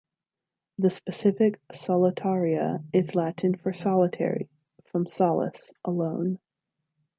The specific "solitaria" is Latin for "solitary" from "solus", "alone".